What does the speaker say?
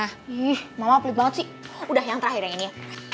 wih mama pelit banget sih udah yang terakhir yang ini ya